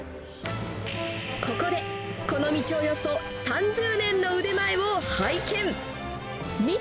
ここで、この道およそ３０年の腕前を拝見。